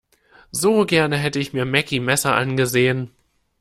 So gerne hätte ich mir Meckie Messer angesehen.